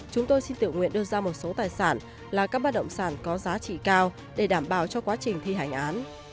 chúng tôi xin tự nguyện đưa ra một số tài sản là các bất động sản có giá trị cao để đảm bảo cho quá trình thi hành án